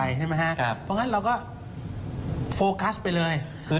ใบใช่ไหมครับเพราะงั้นเราก็โฟกัสไปเลย